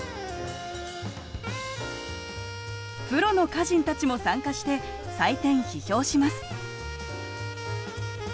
プロの歌人たちも参加して採点批評します。